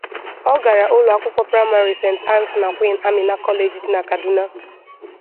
Ọ gara ụlọ akwụkwọ praịmarị St. Annes na Queen Amina College dị na Kaduna.